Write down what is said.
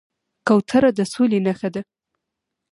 کوتره د سولې نښه ده